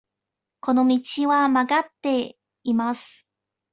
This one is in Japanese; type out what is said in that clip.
この道は曲がっています。